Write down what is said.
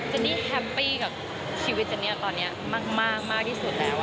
นี่แฮปปี้กับชีวิตเจนนี่ตอนนี้มากที่สุดแล้ว